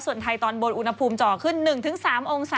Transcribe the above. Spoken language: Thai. ส่วนไทยตอนบนอุณหภูมิเจาะขึ้น๑๓องศา